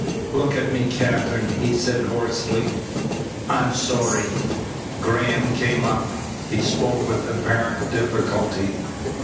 "Look at me, Katherine," he said hoarsely. "I'm sorry." Graham came up. He spoke with apparent difficulty.